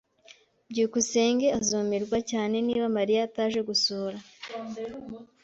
byukusenge azumirwa cyane niba Mariya ataje gusura.